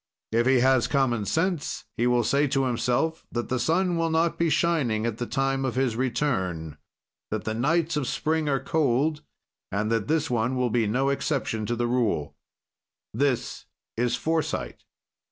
"If he has common sense, he will say to himself that the sun will not be shining at the time of his return, that the nights of spring are cold, and that this one will be no exception to the rule. "This is foresight.